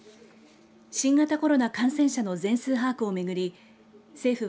新型コロナ感染者の全数把握を巡り